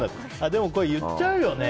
でも、言っちゃうよね。